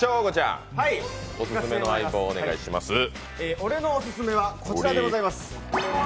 俺のオススメはこちらでございます。